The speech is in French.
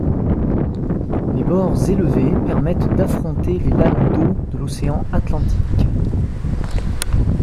Les bords élevés permettent d'affronter les lames d'eau de l'océan Atlantique.